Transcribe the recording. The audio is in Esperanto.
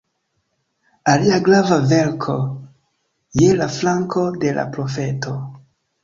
Alia grava verko: "Je la flanko de la profeto.